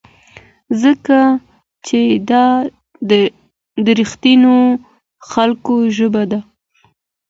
ځکه چې دا د رښتینو خلکو ژبه ده.